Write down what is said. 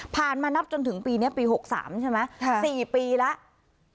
มานับจนถึงปีนี้ปี๖๓ใช่ไหม๔ปีแล้ว